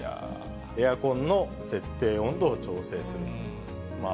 エアコンの設定温度を調整する。